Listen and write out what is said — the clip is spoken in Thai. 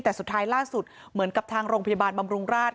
แต่สุดท้ายล่าสุดเหมือนกับทางโรงพยาบาลบำรุงราช